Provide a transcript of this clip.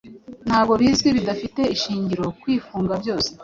Ntabwo bizwi, bidafite ishingiro, Kwifunga-byose,